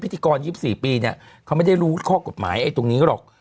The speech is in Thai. บอกว่าเขาเป็นพิธีกร๒๔ปีเนี่ยเขาไม่ได้รู้ข้อกฎหมายไอ้ตรงนี้หรอก